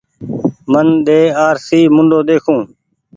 من ۮي آرسي موُڍو ۮيکون